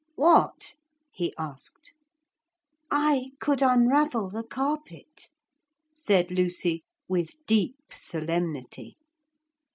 'What?' he asked. 'I could unravel the carpet,' said Lucy, with deep solemnity.